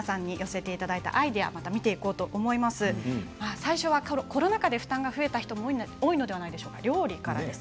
最初はコロナ禍で負担が増えている人も多いのではないでしょうか料理からです。